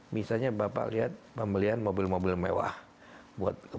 misalnya bapak lihat pembelian mobil mobil mewah buat kota